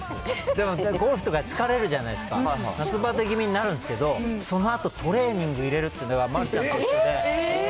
でもゴルフとか疲れるじゃないですか、夏バテぎみになるんですけど、そのあとトレーニング入れるっていうのが丸ちゃんと一緒で。